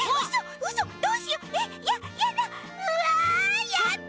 うわやった！